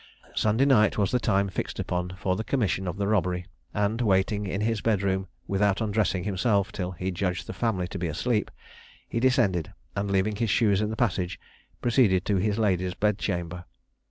Sunday night was the time fixed upon for the commission of the robbery, and, waiting in his bed room without undressing himself, till he judged the family to be asleep, he descended, and leaving his shoes in the passage, proceeded to his lady's bed chamber.